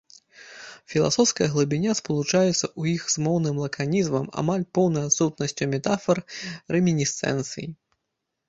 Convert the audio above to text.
Філасофская глыбіня спалучаецца ў іх з моўным лаканізмам, амаль поўнай адсутнасцю метафар, рэмінісцэнцый.